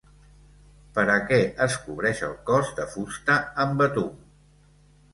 Per a què es cobreix el cos de fusta amb betum?